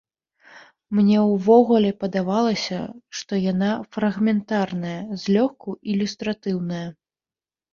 Мне ўвогуле падавалася, што яна фрагментарная, злёгку ілюстратыўная.